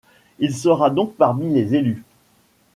Il sera donc parmi les élus.